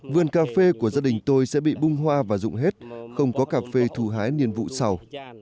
vườn cà phê của gia đình tôi sẽ bị bung hoa và rụng hết không có cà phê thu hái nhiên vụ sau